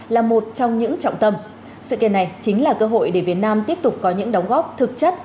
là một trong những trọng tâm sự kiện này chính là cơ hội để việt nam tiếp tục có những đóng góp thực chất